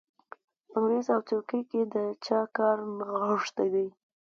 په مېز او څوکۍ کې د چا کار نغښتی دی